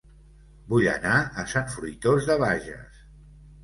Vull anar a Sant Fruitós de Bages